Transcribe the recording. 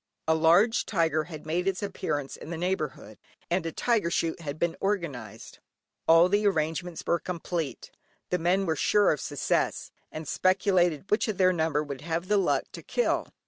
A large tiger had made its appearance in the neighbourhood, and a tiger shoot had been organised. All the arrangements were complete; the men were sure of success, and speculated which of their number would have the luck to kill.